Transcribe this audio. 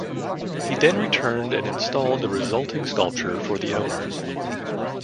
He then returned and installed the resulting sculpture for the owners.